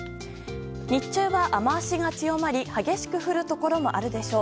日中は雨脚が強まり激しく降るところもあるでしょう。